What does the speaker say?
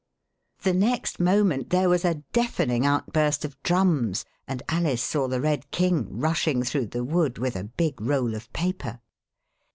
The next moment there was a deafening outburst of drums, and Alice saw the Red King rushing through the wood with a big roll of paper.